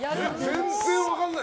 全然分からない。